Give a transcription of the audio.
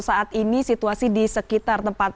saat ini situasi di sekitar tempat